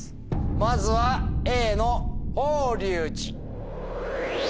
まずはＡの「法隆寺」。